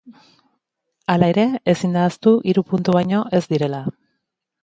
Hala ere, ezin da ahaztu hiru puntu baino ez direla.